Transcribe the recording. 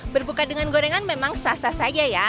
berbuka dengan gorengan memang sah sah saja ya